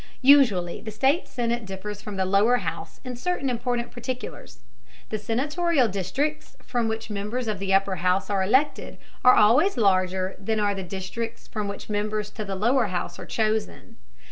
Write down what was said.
Usually the state senate differs from the lower house in certain important particulars. The senatorial districts from which members of the upper house are elected are always larger than are the districts from which members to the lower house are chosen.